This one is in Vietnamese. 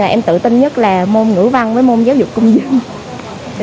em tự tin nhất là môn ngữ văn với môn giáo dục công dân